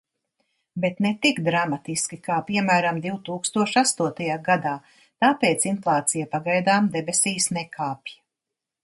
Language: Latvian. Bet ne tik dramatiski, kā piemēram divtūkstoš astotajā gadā, tāpēc inflācija pagaidām debesīs nekāpj.